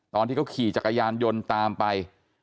ตอนที่เขาขี่จักรยานยนต์ตามไป